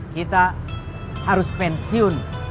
kita harus pensiun